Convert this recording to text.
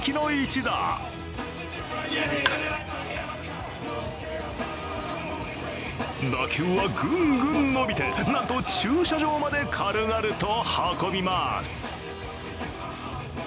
打球はグングン伸びて、なんと駐車場まで軽々と運びます。